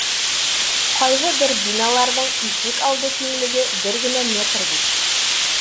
Ҡайһы бер биналарҙың ишек алды киңлеге бер генә метр бит.